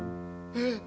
ええ！？